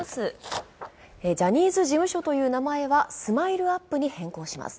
ジャニーズ事務所という名前はＳＭＩＬＥ−ＵＰ．に変更します。